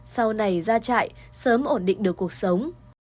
sau này ra trại sớm ổn định được cuộc sống